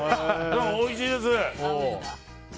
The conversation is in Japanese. おいしいです。